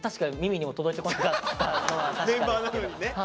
確かにメンバーなのにね。